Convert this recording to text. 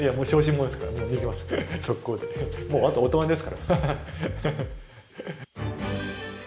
もうあと大人ですからハハッ。